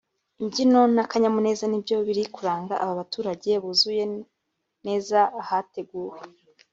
imbyino n’akanyamuneza nibyo biri kuranga aba baturage buzuye neza ahateguwe